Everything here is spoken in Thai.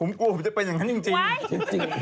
ผมกลัวผมจะเป็นอย่างนั้นจริง